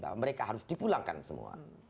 bahwa mereka harus dipulangkan semua